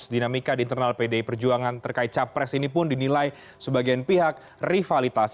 dinamika di internal pdi perjuangan terkait capres ini pun dinilai sebagian pihak rivalitas